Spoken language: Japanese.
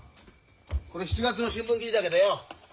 これ７月の新聞記事だけどよ。